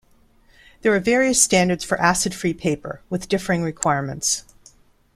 There are various standards for "acid-free" paper, with differing requirements.